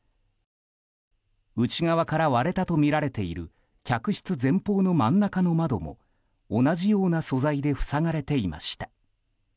内側から割れたとみられている客室前方の真ん中の窓も同じような素材で塞がれていました。